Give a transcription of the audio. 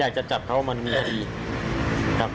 แล้วทำท่าเหมือนลบรถหนีไปเลย